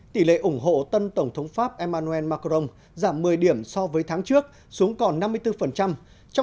tỷ lệ ủng hộ tân tổng thống pháp emmanuel macron giảm một mươi điểm so với tháng trước xuống còn năm mươi bốn